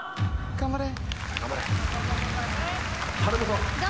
頑張れ！